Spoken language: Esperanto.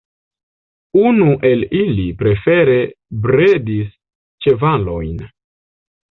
Unu el ili, prefere, bredis ĉevalojn.